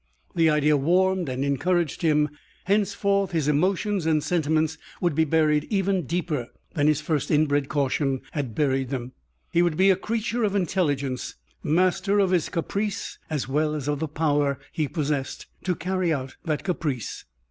The idea warmed and encouraged him. Henceforth his emotions and sentiments would be buried even deeper than his first inbred caution had buried them. He would be a creature of intelligence, master of his caprice as well as of the power he possessed to carry out that caprice.